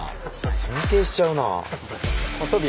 尊敬しちゃうな。